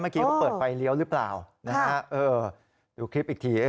เมื่อกี้เขาเปิดไฟเลี้ยวหรือเปล่านะฮะเออดูคลิปอีกที